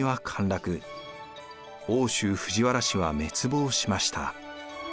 奥州藤原氏は滅亡しました。